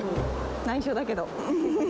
内緒だけど。